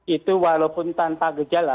itu walaupun tanpa gejala